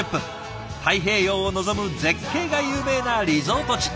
太平洋を望む絶景が有名なリゾート地。